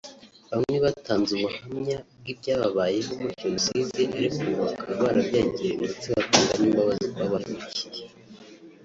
Bamwe batanze ubuhamya bw’ibyababayeho muri Jenoside ariko ubu bakaba barabyakiriye ndetse batanga n’imbabazi ku babahemukiye